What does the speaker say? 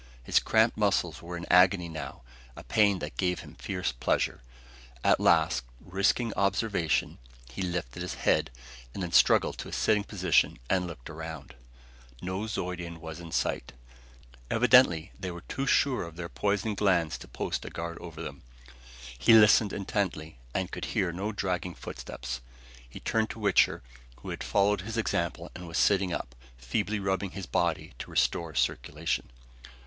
His cramped muscles were in agony now a pain that gave him fierce pleasure. At last, risking observation, he lifted his head and then struggled to a sitting position and looked around. No Zeudian was in sight. Evidently they were too sure of their poison glands to post a guard over them. He listened intently, and could hear no dragging footsteps. He turned to Wichter, who had followed his example and was sitting up, feebly rubbing his body to restore circulation.